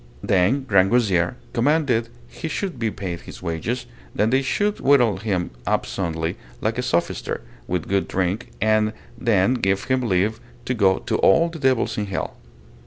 Then Grangousier commanded he should be paid his wages, that they should whittle him up soundly, like a sophister, with good drink, and then give him leave to go to all the devils in hell.